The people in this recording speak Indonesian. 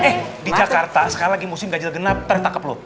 eh di jakarta sekali lagi musim gajil genap ternyata takep lu